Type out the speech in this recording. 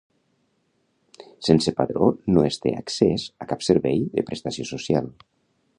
Sense padró no es té accés a cap servei de prestació social.